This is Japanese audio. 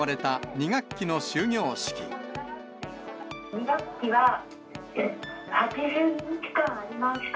２学期は８２日間ありました。